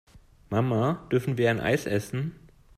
Mama, dürfen wir ein Eis essen?